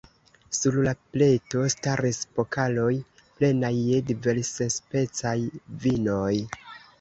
Sur la pleto staris pokaloj plenaj je diversspecaj vinoj.